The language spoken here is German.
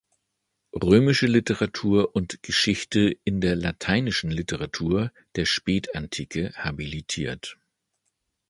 Römische Literatur und Geschichte in der Lateinischen Literatur der Spätantike" habilitiert.